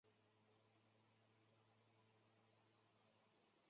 染色箭毒蛙为有毒的动物之一。